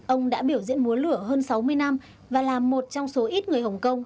ông đã biểu diễn múa lửa hơn sáu mươi năm và là một trong số ít người hồng kông